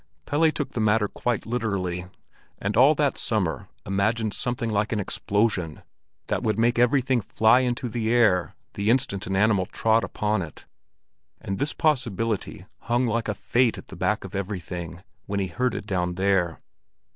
Pelle took the matter quite literally, and all that summer imagined something like an explosion that would make everything fly into the air the instant an animal trod upon it; and this possibility hung like a fate at the back of everything when he herded down there.